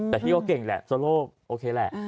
แต่พี่ก็เก่งแหละโซโลโอเคแหละ